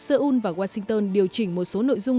seoul và washington điều chỉnh một số nội dung